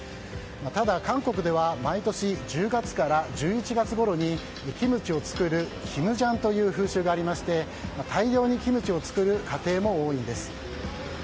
ただ、韓国では毎年１０月から１１月ごろにキムチを作るキムジャンという風習がありまして大量にキムチを作る家庭も多いんです。